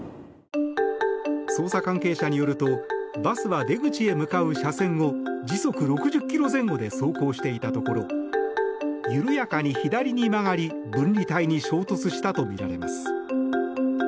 捜査関係者によるとバスは出口へ向かう車線を時速６０ｋｍ前後で走行していたところ緩やかに左に曲がり分離帯に衝突したとみられます。